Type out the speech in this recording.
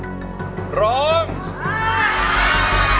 เพลงที่เจ็ดเพลงที่แปดแล้วมันจะบีบหัวใจมากกว่านี้